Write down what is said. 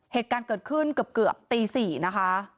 เหตุการณ์เกิดขึ้นเกือบตี๔นะคะ